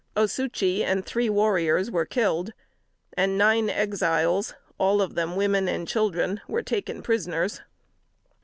Osuchee and three warriors were killed; and nine Exiles, all of them women and children, were taken prisoners.